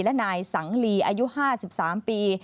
และนายสังลีอายุ๕๓ปี